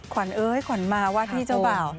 เอ้ยขวัญมาว่าที่เจ้าบ่าว